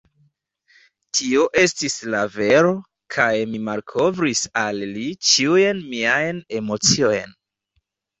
Tio estis la vero, kaj mi malkovris al li ĉiujn miajn emociojn.